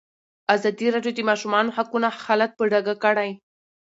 ازادي راډیو د د ماشومانو حقونه حالت په ډاګه کړی.